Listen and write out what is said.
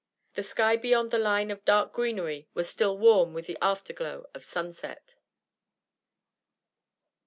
The sky beyond the line of dark greenery was still warm with after glow of sunset.